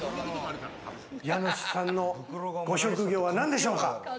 家主さんのご職業は何でしょうか？